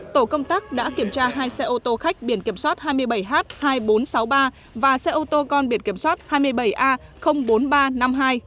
tổ công tác đã kiểm tra hai xe ô tô khách biển kiểm soát hai mươi bảy h hai nghìn bốn trăm sáu mươi ba và xe ô tô con biển kiểm soát hai mươi bảy a bốn nghìn ba trăm năm mươi hai